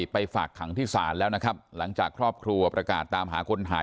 ไปฝากขังที่ศาลแล้วนะครับหลังจากครอบครัวประกาศตามหาคนหาย